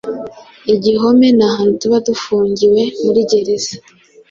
Igihome ni ahantu tuba dufungiwe (muri gereza)